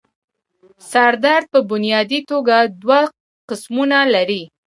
سر درد پۀ بنيادي توګه دوه قسمونه لري